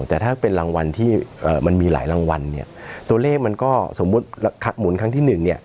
แต่ถ้าเป็นรางวัลที่มันมีหลายรางวัลเนี่ยตัวเลขมันก็สมมุติหมุนครั้งที่หนึ่งเนี่ย